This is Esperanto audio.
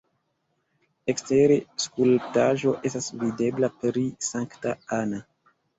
Ekstere skulptaĵo estas videbla pri Sankta Anna.